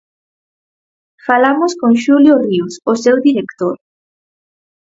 Falamos con Xulio Ríos, o seu director.